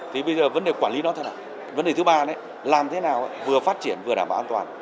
thì bây giờ vấn đề quản lý nó thế nào vấn đề thứ ba làm thế nào vừa phát triển vừa đảm bảo an toàn